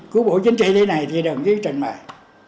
của bộ chính trị thế này thì đồng chí trình bày